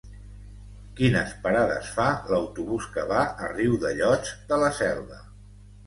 Quines parades fa l'autobús que va a Riudellots de la Selva?